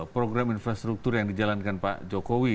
program infrastruktur yang dijalankan pak jokowi